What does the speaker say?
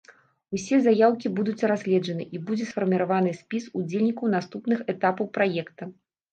Усе заяўкі будуць разгледжаны, і будзе сфарміраваны спіс удзельнікаў наступных этапаў праекта.